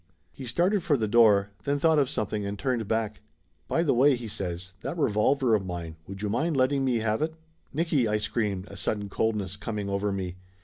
He started for the door, then thought of something and turned back. "By the way," he says, "that revolver of mine would you mind letting me have it ?" "Nicky!" I screamed, a sudden coldness coming over me.